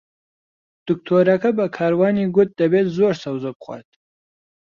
دکتۆرەکە بە کاروانی گوت دەبێت زۆر سەوزە بخوات.